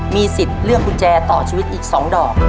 มีสิทธิ์เลือกกุญแจต่อชีวิตอีก๒ดอก